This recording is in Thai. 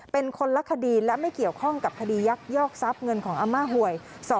เป็นคนละคดีและไม่เกี่ยวข้องกับคดียักยอกทรัพย์เงินของอาม่าหวย